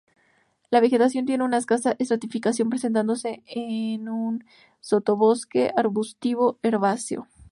La vegetación tiene una escasa estratificación presentándose un sotobosque arbustivo herbáceo.